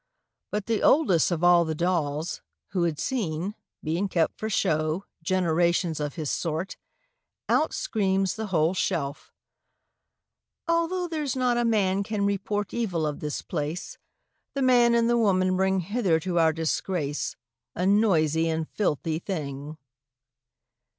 But the oldest of all the dolls Who had seen, being kept for show, Generations of his sort, Out screams the whole shelf: 'Although There's not a man can report Evil of this place, The man and the woman bring Hither to our disgrace, A noisy and filthy thing.'